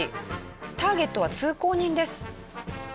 ターゲットは通行人です。